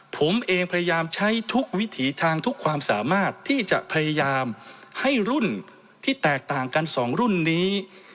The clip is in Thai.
ผมเองพยายามใช้ทุกวิถีทางทุกความสามารถที่จะพยายามให้รุ่นที่แตกต่างกันสองรุ่นนี้